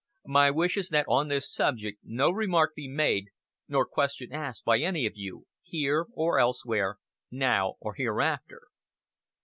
My wish is that on this subject no remark be made, nor question asked by any of you, here, or elsewhere, now, or hereafter."